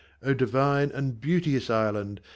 O divine And beauteous island